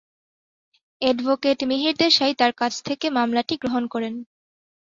Advocate Mihir Desai তার কাছ থেকে মামলাটি গ্রহণ করেন।